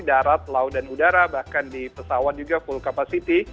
darat laut dan udara bahkan di pesawat juga full capacity